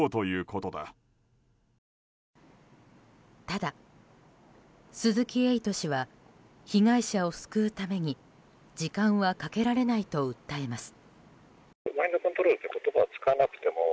ただ、鈴木エイト氏は被害者を救うために時間はかけられないと訴えます。